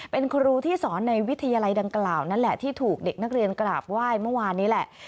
เป็นครูที่สอนในวิทยาลัยดังกล่าวนั่นแหละที่ถูกเด็กนักเรียนกราบไหว้เมื่อวานนี้แหละ